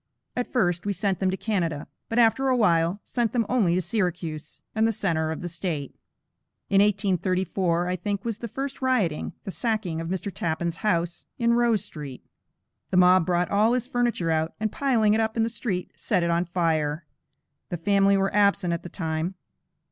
At first, we sent them to Canada, but after a while, sent them only to Syracuse, and the centre of the State. In 1834, I think, was the first rioting, the sacking of Mr. Tappan's house, in Rose Street. The mob brought all his furniture out, and piling it up in the street, set it on fire. The family were absent at the time.